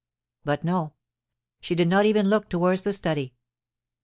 But no ; she did not even look towards the study.